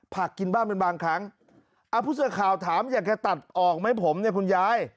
กินบ้างเป็นบางครั้งอ่าผู้สื่อข่าวถามอยากจะตัดออกไหมผมเนี่ยคุณยาย